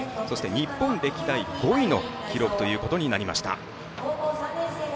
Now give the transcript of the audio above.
日本歴代５位の記録となりました。